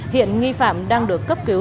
hiện nghi phạm đang được cấp cứu